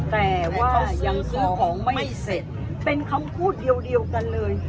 แต่ว่ายังซื้อของไม่เสร็จเป็นคำพูดเดียวกันเลย